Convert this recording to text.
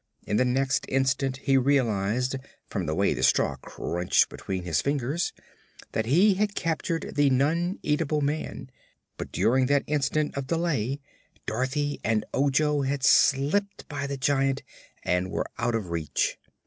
In the next instant he realized, from the way the straw crunched between his fingers, that he had captured the non eatable man, but during that instant of delay Dorothy and Ojo had slipped by the Giant and were out of reach.